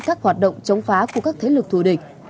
các hoạt động chống phá của các thế lực thù địch